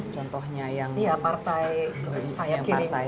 contohnya yang partai sayap kiri